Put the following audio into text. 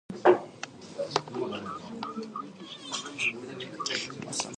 Heads of the Settlement Commission were among the architects and supporters of those plans.